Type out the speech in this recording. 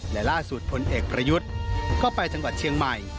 และล่าสุดพลเอกประยุทธ์ก็ไปจังหวัดเชียงใหม่